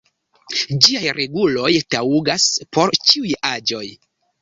Ĝiaj reguloj taŭgas por ĉiuj aĝoj.